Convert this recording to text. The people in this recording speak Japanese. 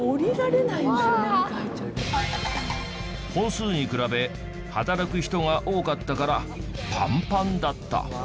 本数に比べ働く人が多かったからパンパンだった。